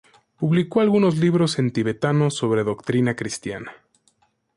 Publicó algunos libros en tibetano sobre doctrina cristiana.